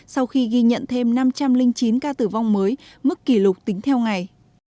sau khi ghi nhận thêm năm trăm linh chín ca tử vong mới mức kỷ lục tính theo ngày